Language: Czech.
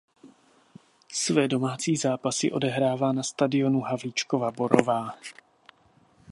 Své domácí zápasy odehrává na stadionu Havlíčkova Borová.